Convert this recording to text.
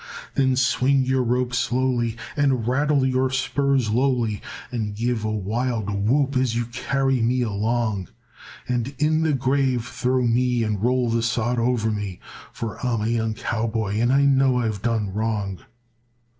"Then swing your rope slowly and rattle your spurs lowly, And give a wild whoop as you carry me along; And in the grave throw me and roll the sod o'er me, For I'm a young cowboy and I know I've done wrong.